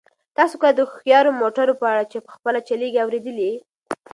تاسو کله د هوښیارو موټرو په اړه چې په خپله چلیږي اورېدلي؟